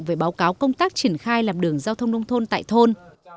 về báo cáo công tác triển khai làm đường giao thông nông thôn tại thôn